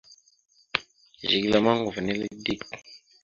Zigəla ma oŋgov nele dik.